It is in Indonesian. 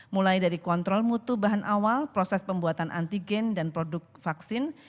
mulai dari kontrol mutu bahan awal proses pembuatan antigen dan produk vaksin